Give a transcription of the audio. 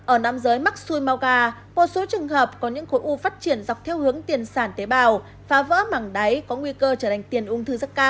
ở nam giới maxui mauca một số trường hợp có những khối u phát triển dọc theo hướng tiền sản tế bào phá vỡ mảng đáy có nguy cơ trở thành tiền ung thư rất cao